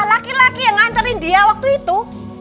laki laki yang nganterin dia waktu itu